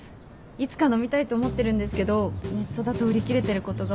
いつか飲みたいと思ってるんですけどネットだと売り切れてることが多くて。